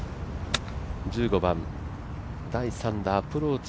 １５番、第３打アプローチ